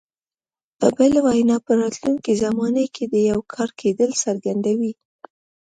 په بله وینا په راتلونکي زمانه کې د یو کار کېدل څرګندوي.